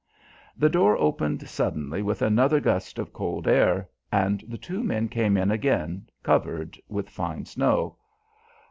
The door opened suddenly with another gust of cold air, and the two men came in again, covered with fine snow.